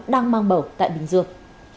đang mang bầu tại bình dương